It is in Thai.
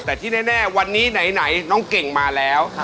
แต่ที่แน่วันนี้ไหนน้องเก่งมาแล้ว